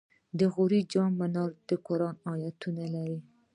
د غور جام منار د قرآن آیتونه لري